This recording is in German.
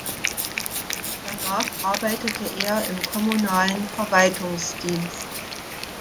Danach arbeitete er im kommunalen Verwaltungsdienst.